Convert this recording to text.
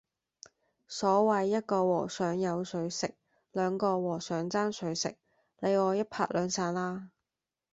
所謂一個和尚有水食，兩個和尚爭水食，你我一拍兩散啦